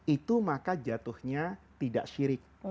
itu maka jatuhnya tidak syirik